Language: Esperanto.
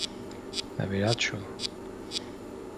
la viraĉo!